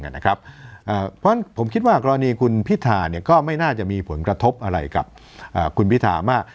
เพราะฉะนั้นผมคิดว่ากรณีคุณพิธาก็ไม่น่าจะมีผลกระทบอะไรกับคุณพิธามาก